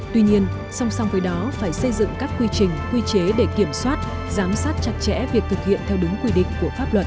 tuy nhiên song song với đó phải xây dựng các quy trình quy chế để kiểm soát giám sát chặt chẽ việc thực hiện theo đúng quy định của pháp luật